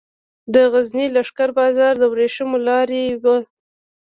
د غزني لښکر بازار د ورېښمو لارې و